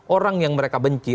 orang yang mereka benci